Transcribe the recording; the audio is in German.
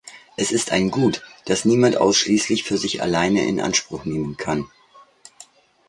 Es ist ein Gut, das niemand ausschließlich für sich alleine in Anspruch nehmen kann.